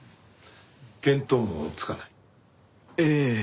見当もつかない？ええ。